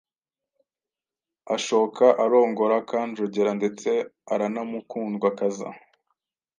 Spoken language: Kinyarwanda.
ashoka arongora Kanjogera ndetse aranamukundwakaza